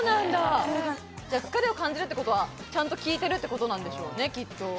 疲れを感じるってことは、きいてるってことなんでしょうね、きっと。